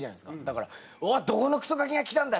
だから「どこのクソガキが来たんだ！